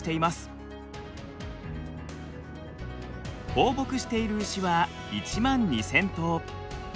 放牧している牛は１万２，０００頭。